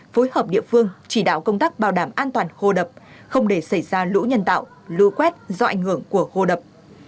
phối hợp địa phương chỉ đạo công tác bảo đảm an toàn hô đập không để xảy ra lũ nhân tạo lũ quét do ảnh hưởng của hô đập